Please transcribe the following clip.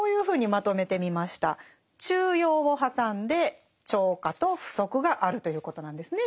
中庸を挟んで超過と不足があるということなんですね